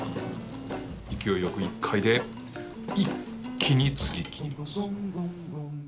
勢いよく１回で一気につぎきります。